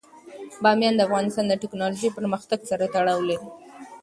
بامیان د افغانستان د تکنالوژۍ پرمختګ سره تړاو لري.